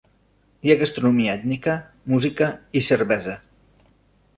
Hi ha gastronomia ètnica, música i cervesa.